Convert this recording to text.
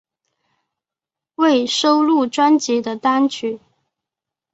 未收录专辑的单曲